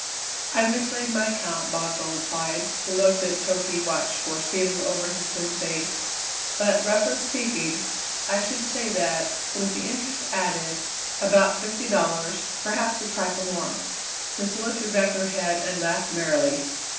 "I've mislaid my account," Boswell replied, the look that Toky watched for stealing over his thin face; "but, roughly speaking, I should say that, with the interest added, about fifty dollars, perhaps a trifle more." Priscilla threw back her head and laughed merrily.